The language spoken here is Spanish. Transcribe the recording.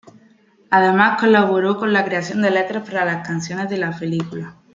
Además colaboró con la creación de letras para las canciones de la película.